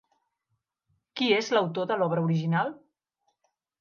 Qui és l'autor de l'obra original?